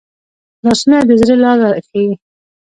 لاسونه د زړه لاره ښيي